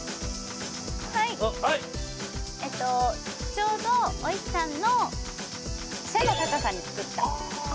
ちょうどお石さんの背の高さに作った。